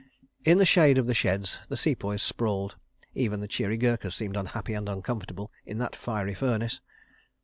In the shade of the sheds the Sepoys sprawled, even the cheery Gurkhas seemed unhappy and uncomfortable in that fiery furnace.